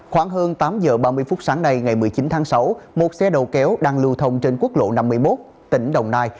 khoảng hơn tám h ba mươi phút sáng nay ngày một mươi chín tháng sáu một xe đầu kéo đang lưu thông trên quốc lộ năm mươi một tỉnh đồng nai